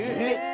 え！？